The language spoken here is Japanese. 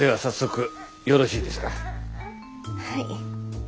はい。